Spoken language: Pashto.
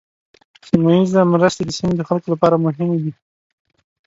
سیمه ایزه مرستې د سیمې د خلکو لپاره مهمې دي.